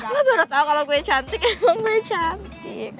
lo baru tau kalo gue cantik emang gue cantik